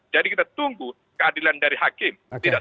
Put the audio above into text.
jadi kita tunggu keadilan dari hakim